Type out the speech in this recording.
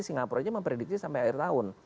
singapura aja memprediksi sampai akhir tahun